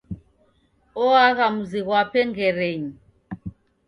Oagha muzi ghwape Ngerenyi.